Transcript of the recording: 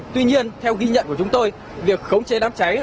tuy nhiên theo ghi nhận của chúng tôi việc khống chế đám cháy